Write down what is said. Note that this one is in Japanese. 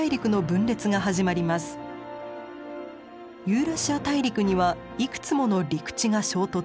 ユーラシア大陸にはいくつもの陸地が衝突。